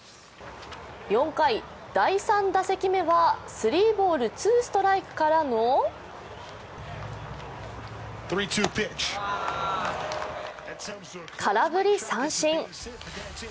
４回、第３打席目はスリーボールツーストライクからの空振り三振。